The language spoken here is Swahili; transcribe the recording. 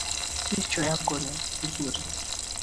Kichwa yako ni nzuri